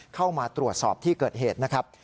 เข้ามาตรวจสอบที่เกิดเหตุนะครับ